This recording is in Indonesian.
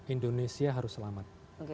indonesia harus selamat